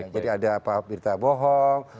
jadi ada paham berita bohong